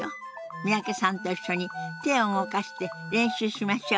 三宅さんと一緒に手を動かして練習しましょう。